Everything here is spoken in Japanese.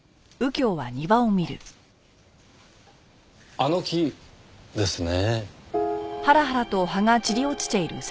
あの木ですね。